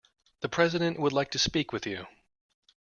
The President would like to speak with you.